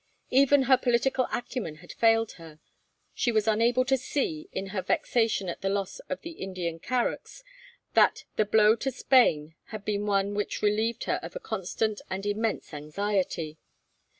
Even her political acumen had failed her; she was unable to see, in her vexation at the loss of the Indian carracks, that the blow to Spain had been one which relieved her of a constant and immense anxiety.